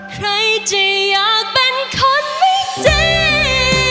ใครจะอยากเป็นคนไม่จริง